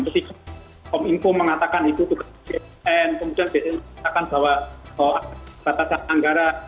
ketika pom info mengatakan itu ke kcn kemudian biasanya mengatakan bahwa batasan anggara